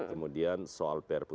kemudian soal prpu